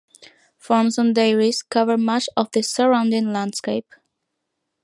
Farms and dairies cover much of the surrounding landscape.